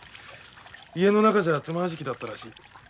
家の中じゃ爪はじきだったらしい。